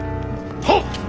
はっ！